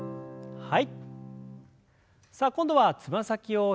はい。